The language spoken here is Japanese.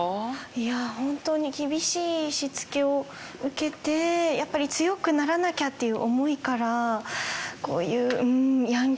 いやあ本当に厳しいしつけを受けてやっぱり強くならなきゃっていう思いからこういううんヤンキーさん